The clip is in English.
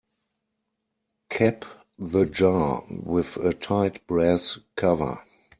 Cap the jar with a tight brass cover.